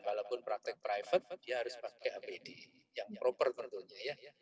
walaupun praktek private dia harus pakai apd yang proper tentunya ya